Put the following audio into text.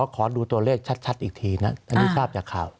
ขอดูตัวเลขชัดอีกทีนะอันนี้ทราบจากข่าว